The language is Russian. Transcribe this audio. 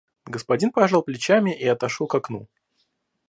Господин пожал плечами и отошёл к окну.